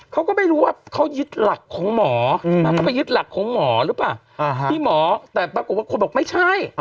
เขาก็ไม่รู้ว่าเขายึดหลักของหมอหรือเปล่าที่หมอแต่ปรากฏว่าคนบอกไม่ใช่